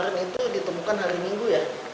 sekarang itu ditemukan hari minggu ya